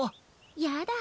やだ。